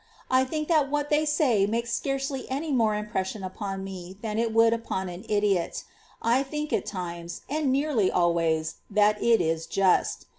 I think that what they say makes scarcely any more impression upon me than it would upon an idiot. I think at times, and nearly always, that it is just.